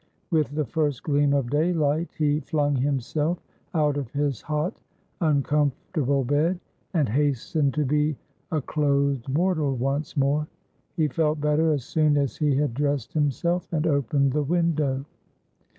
With the first gleam of daylight, he flung himself out of his hot, uncomfortable bed, and hastened to be a clothed mortal once more. He felt better as soon as he had dressed himself and opened the window.